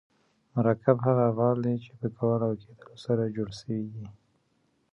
مرکب هغه افعال دي، چي په کول او کېدل سره جوړ سوي یي.